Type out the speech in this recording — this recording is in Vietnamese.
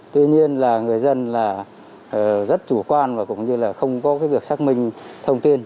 tuy nhiên là người dân rất chủ quan và cũng như là không có việc xác minh thông tin